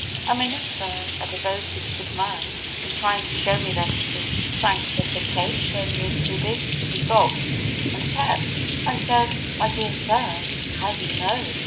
A minister a devoted, good man was trying to show me that this sanctification was too big to be got and kept. I said, "My dear sir, how do you know?